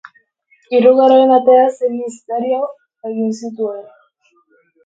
Hirugarren atean sei misterio egin zituen.